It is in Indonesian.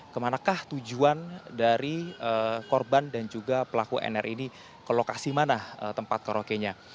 kemanakah tujuan dari korban dan juga pelaku nr ini ke lokasi mana tempat karaoke nya